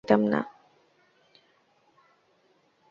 যদি তাহা হইতাম, তবে পরিবর্তনসমূহ রোধ করিতে পারিতাম না।